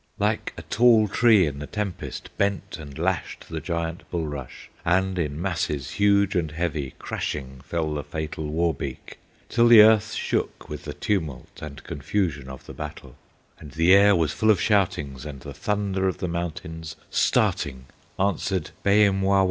Like a tall tree in the tempest Bent and lashed the giant bulrush; And in masses huge and heavy Crashing fell the fatal Wawbeek; Till the earth shook with the tumult And confusion of the battle, And the air was full of shoutings, And the thunder of the mountains, Starting, answered, "Baim wawa!"